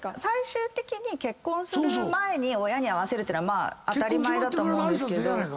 最終的に結婚する前に親に会わせるってのはまあ当たり前だと思うんですけど。